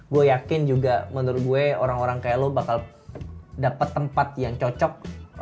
gue yakin juga menurut gue orang orang kayak lo bakal dapat tempat yang cocok